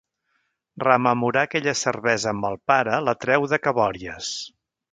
Rememorar aquella cervesa amb el pare la treu de cabòries.